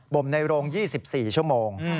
มในโรง๒๔ชั่วโมง